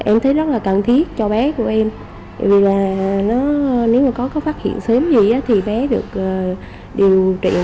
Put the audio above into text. em thấy rất là cần thiết cho bé của em vì là nếu mà có phát hiện sớm gì thì bé được điều trị